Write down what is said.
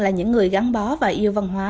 là những người gắn bó và yêu văn hóa